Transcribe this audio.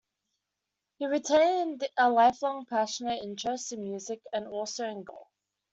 He retained a lifelong passionate interest in music, and also in golf.